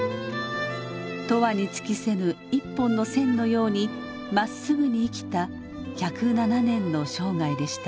とわに尽きせぬ一本の線のようにまっすぐに生きた１０７年の生涯でした。